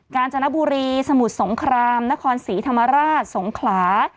การจนบุรีสมุทรสงครามนครศรีธรรมราชสงขลา